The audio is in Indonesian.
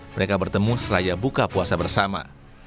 mereka bertemu seraya buka puasa bersama